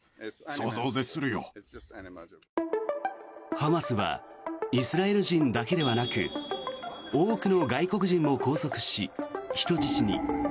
ハマスはイスラエル人だけではなく多くの外国人も拘束し、人質に。